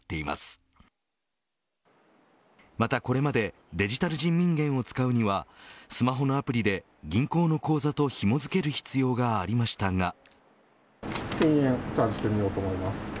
またこれまでデジタル人民元を使うにはスマホのアプリで銀行の口座とひも付ける必要がありましたが。